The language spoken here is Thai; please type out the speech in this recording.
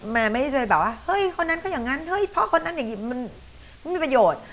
แม่ไม่ได้เลยแบบว่าเฮ้ยคนนั้นก็อย่างนั้นเฮ้ยพ่อคนนั้นอย่างนี้มันไม่มีประโยชน์